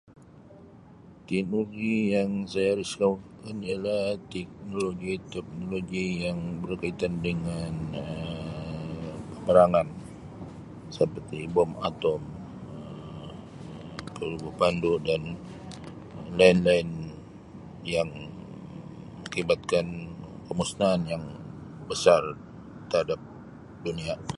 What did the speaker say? Teknologi yang saya risaukan ialah teknologi-teknologi yang berkaitan dengan Um peperangan seperti Bom Atom Um peluru berpandu dan lain-lain yang mengakibatkan kemusnahan yang besar terhadap dunia.